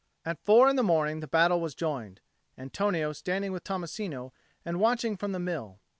At four in the morning the battle was joined, Antonio standing with Tommasino and watching from the mill.